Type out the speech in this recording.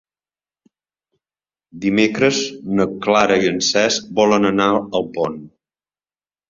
Dimecres na Clara i en Cesc volen anar a Alpont.